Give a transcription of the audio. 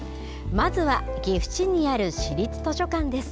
まずは岐阜市にある市立図書館です。